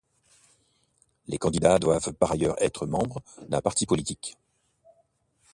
Les candidats doivent par ailleurs être membres d'un parti politique.